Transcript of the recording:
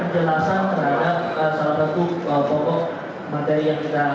penjelasan terhadap salah satu pokok materi yang kita